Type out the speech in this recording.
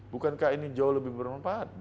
bukankah ini jauh lebih bermanfaat